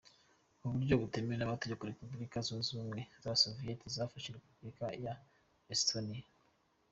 Mu buryo butemewe n’Amategeko Repubulika Zunze ubumwe Z’abasoviyete zafashe Repubulika ya Estonia.